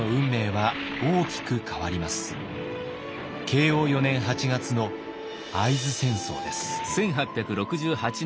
慶応４年８月の会津戦争です。